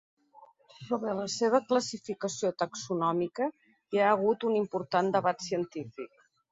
Sobre la seva classificació taxonòmica hi ha hagut un important debat científic.